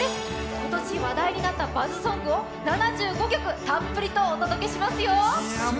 今年話題になったバズソングを７５曲たっぷりとお届けしますよ。